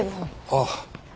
ああ。